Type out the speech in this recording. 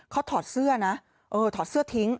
เขาถอดเสื้อนะเออถอดเสื้อทิ้ง